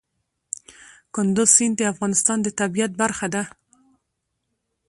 کندز سیند د افغانستان د طبیعت برخه ده.